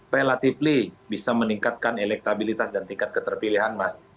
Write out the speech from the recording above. relatifly bisa meningkatkan elektabilitas dan tingkat keterpilihan mas